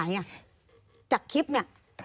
มีความรู้สึกว่ามีความรู้สึกว่า